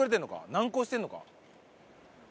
難航してるのか？